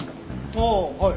ああはい。